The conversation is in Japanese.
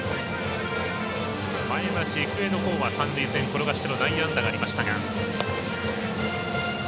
前橋育英のほうは三塁線、転がしての内野安打がありましたが。